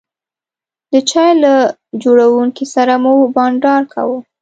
د چای له جوړونکي سره مو بانډار کاوه.